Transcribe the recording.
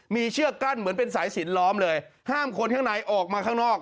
มีเชือกกั้นเหมือนเป็นสายสินล้อมเลยห้ามคนข้างในออกมาข้างนอก